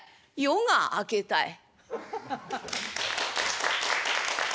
「夜が明けたい」。